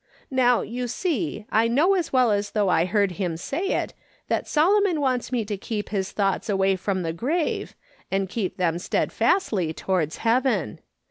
Now, you see, I know as well as though I heard him say it, that Solomon wants me to keep my thoughts away from the grave, and keep them steadfastly toward heaven.